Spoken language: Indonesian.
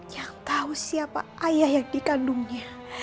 yang tahu siapa ayah yang dikandungnya